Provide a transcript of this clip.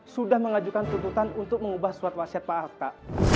sudah mengajukan tuntutan untuk mengubah surat wasiat pak alka